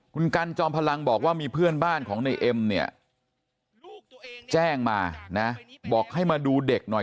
คุณกันจอมพลังบอกว่ามีเพื่อนบ้านของในเอ็มเนี่ยแจ้งมานะบอกให้มาดูเด็กหน่อย